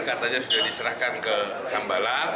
katanya sudah diserahkan ke sambalang